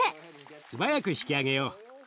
素早く引き上げよう。